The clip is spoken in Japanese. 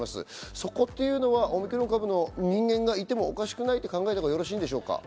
そこというのはオミクロン株の人間がいてもおかしくないと考えてよろしいでしょうか？